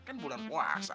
kan bulan puasa